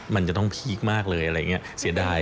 มันจะต้องพีคมากเลยอะไรอย่างนี้เสียดาย